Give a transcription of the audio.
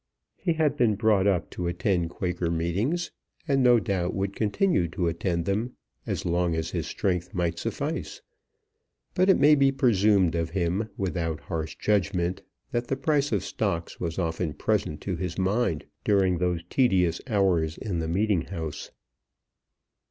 He had been brought up to attend Quaker meetings, and no doubt would continue to attend them as long as his strength might suffice; but it may be presumed of him without harsh judgment that the price of stocks was often present to his mind during those tedious hours in the meeting house.